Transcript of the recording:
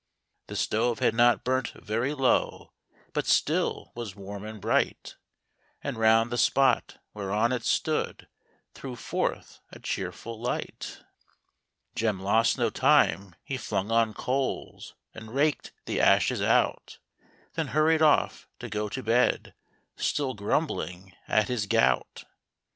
The stove had not burnt very low, But still was warm and bright, And round the spot where on it stood Threw forth a cheerful light. THE ROBIN'S CHRISTMAS EVE. Jem lost no time ; he flung on coals, And raked the ashes out, Then hurried off to go to bed, Still grumbling at his gout.